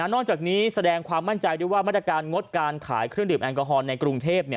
นอกจากนี้แสดงความมั่นใจด้วยว่ามาตรการงดการขายเครื่องดื่มแอลกอฮอลในกรุงเทพ